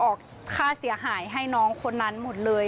ค่าเสียหายให้น้องคนนั้นหมดเลย